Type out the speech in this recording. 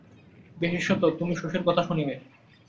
বিশেষত তুমি শশীর কথা শুনিবে।